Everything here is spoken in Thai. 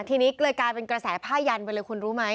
ทีนี้รายการเป็นกระแสภาญันไปเลยคุณรู้ไหม